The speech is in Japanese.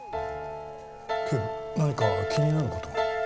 警部何か気になる事が？